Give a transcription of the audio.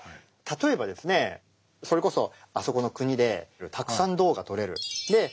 例えばですねそれこそあそこの国でたくさん銅が採れる。